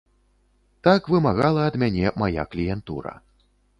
Так вымагала ад мяне мая кліентура.